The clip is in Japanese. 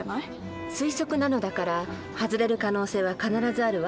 推測なのだから外れる可能性は必ずあるわ。